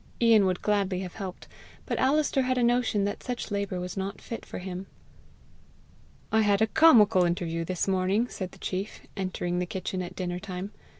Ian would gladly have helped, but Alister had a notion that such labour was not fit for him. "I had a comical interview this morning," said the chief, entering the kitchen at dinner time.